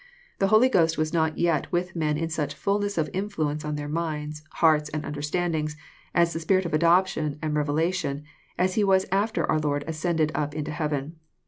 The Holy Ghost was not yet with men in such fblness of influence on their minds, hearts, and understandings, as the Spirit of adoption and reve lation, as He was after our Lord ascended up into heaven.